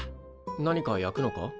何か焼くのか？